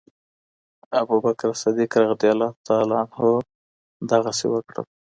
ابوبکر الصديق رضي الله تعالی عنه دغسي وکړل